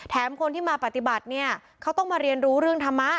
คนที่มาปฏิบัติเนี่ยเขาต้องมาเรียนรู้เรื่องธรรมะ